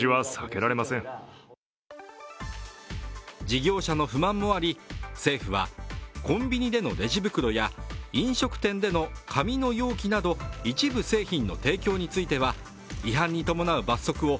事業者の不満もあり、政府はコンビニでのレジ袋や飲食店での紙の容器など一部製品の提供については違反に伴う罰則を